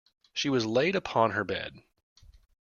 She was laid upon her bed.